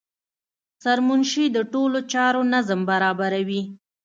سرمنشي د ټولو چارو نظم برابروي.